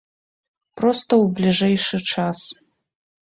Проста ў бліжэйшы час.